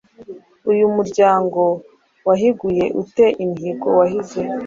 Uyu muryango wahiguye ute imihigo wahize?